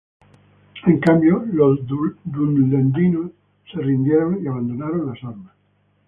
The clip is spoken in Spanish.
En cambio, los dunlendinos se rindieron y abandonaron las armas.